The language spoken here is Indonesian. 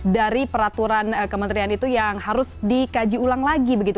dari peraturan kementerian itu yang harus dikaji ulang lagi begitu